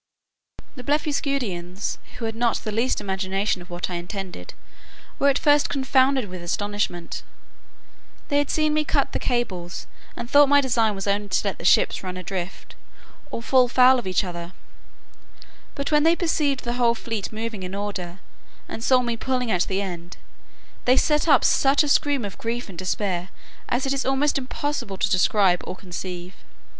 The Blefuscudians, who had not the least imagination of what I intended, were at first confounded with astonishment. They had seen me cut the cables, and thought my design was only to let the ships run adrift or fall foul on each other: but when they perceived the whole fleet moving in order, and saw me pulling at the end, they set up such a scream of grief and despair as it is almost impossible to describe or conceive.